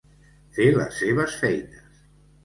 Fer les seves feines.